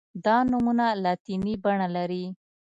دا نومونه لاتیني بڼه لري.